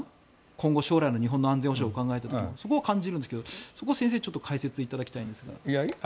今後、将来の日本の安全保障を考えた時そこを感じるんですが、先生に解説いただきたいんですが。